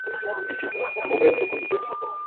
iti «nimuhumure nzi uko mbigenza»